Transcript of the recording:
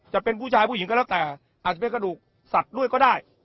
จะเป็นผู้ชายผู้หญิงก็แล้วแต่อาจจะเป็นกระดูกสัตว์ด้วยก็ได้